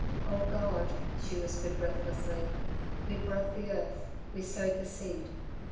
"Oh God," she whispered breathlessly, "we broke the earth, we sowed the seed.